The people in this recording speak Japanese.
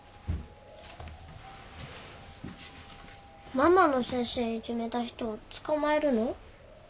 ママの先生いじめた人捕まえるの？